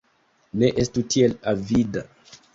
Ne estu tiel avida.